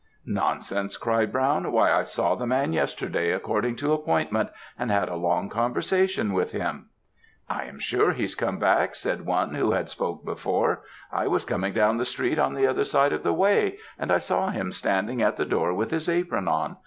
"'Nonsense,' cried Brown, 'Why, I saw the man yesterday according to appointment, and had a long conversation with him.' "'I am sure he's come back,' said one who had spoke before. 'I was coming down the street on the other side of the way, and I saw him standing at the door with his apron on.